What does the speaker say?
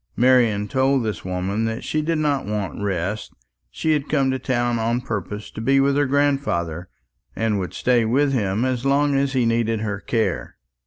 Marian told this woman that she did not want rest. She had come to town on purpose to be with her grandfather, and would stay with him as long as he needed her care.